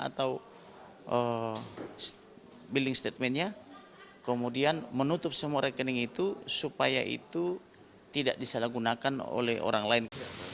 atau building statementnya kemudian menutup semua rekening itu supaya itu tidak disalahgunakan oleh orang lain